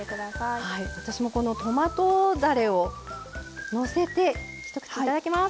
私もこのトマトだれをのせて一口頂きます。